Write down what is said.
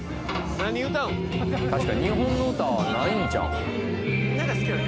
確かに日本の歌ないんちゃうん？